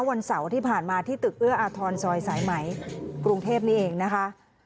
วันเสาร์ที่ผ่านมาที่ตึกเอื้ออาทรซอยสายไหมกรุงเทพนี่เองนะคะ